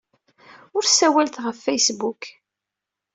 Ur ssawalet ɣef Facebook.